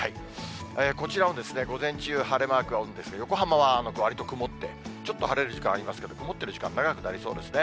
こちらも午前中、晴れマークが多いんですが、横浜はわりと曇って、ちょっと晴れる時間ありますけど、曇っている時間、長くなりそうですね。